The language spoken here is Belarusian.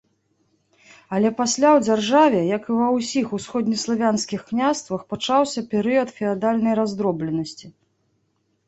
Але пасля ў дзяржаве, як і ва ўсіх усходнеславянскіх княствах, пачаўся перыяд феадальнай раздробленасці.